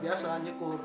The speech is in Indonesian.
biasa lah syukur